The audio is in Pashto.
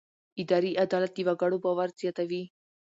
اداري عدالت د وګړو باور زیاتوي.